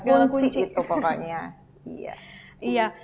kunci kunci itu pokoknya